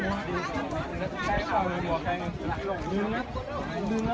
มีผู้ที่ได้รับบาดเจ็บและถูกนำตัวส่งโรงพยาบาลเป็นผู้หญิงวัยกลางคน